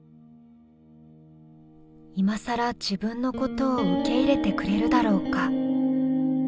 今更自分のことを受け入れてくれるだろうか？